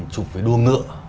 chụp với đua ngựa